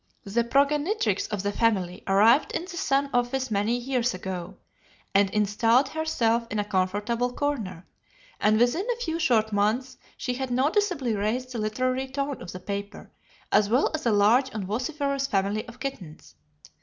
"The progenitrix of the family arrived in the Sun office many years ago, and installed herself in a comfortable corner, and within a few short months she had noticeably raised the literary tone of the paper, as well as a large and vociferous family of kittens.